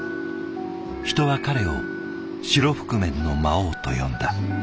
人は彼を白覆面の魔王と呼んだ。